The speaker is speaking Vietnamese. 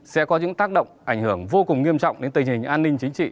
sẽ có những tác động ảnh hưởng vô cùng nghiêm trọng đến tình hình an ninh chính trị